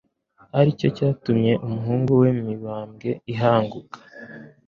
ari nacyo cyatumye umuhungu we Mibambwe I ahunga.